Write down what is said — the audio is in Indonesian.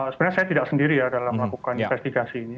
sebenarnya saya tidak sendiri ya dalam melakukan investigasi ini